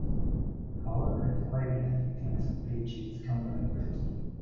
However, the quality and effectiveness of free cheats can vary greatly.